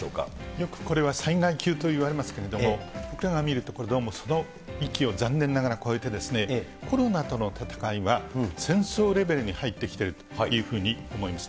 よくこれは災害級といわれますけれども、見ると、これ、どうもその域を残念ながら超えて、コロナとの闘いは戦争レベルに入ってきているというふうに思います。